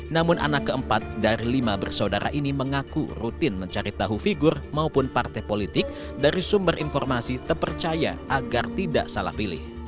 namun anak keempat dari lima bersaudara ini mengaku rutin mencari tahu figur maupun partai politik dari sumber informasi terpercaya agar tidak salah pilih